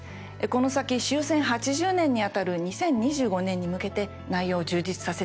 この先、終戦８０年にあたる２０２５年に向けて内容を充実させていきます。